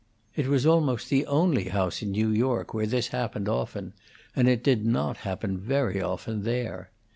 It was almost the only house in New York where this happened often, and it did not happen very often there.